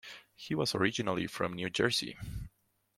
He was originally from New Jersey.